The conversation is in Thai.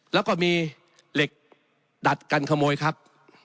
แล้วก็มีเหล็กดัดกันขโมยครับ